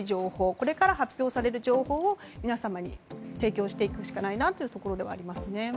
これから発表される情報を皆様に提供していくしかないなというところですね。